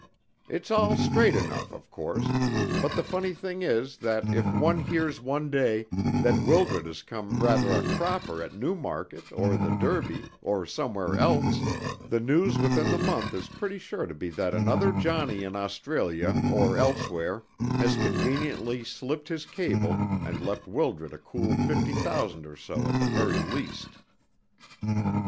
It's all straight enough, of course, but the funny thing is that if one hears one day that Wildred has come rather a cropper at Newmarket or the Derby, or somewhere else, the news within the month is pretty sure to be that another Johnny in Australia or elsewhere has conveniently slipped his cable and left Wildred a cool fifty thousand or so at the very least."